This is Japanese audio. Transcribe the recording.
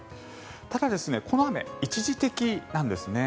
ただ、この雨一時的なんですね。